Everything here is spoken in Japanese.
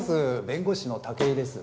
弁護士の武井です。